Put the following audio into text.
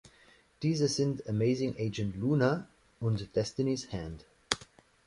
Diese sind "Amazing Agent Luna" und "Destiny's Hand".